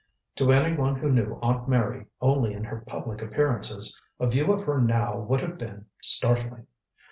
To any one who knew Aunt Mary only in her public appearances, a view of her now would have been startling.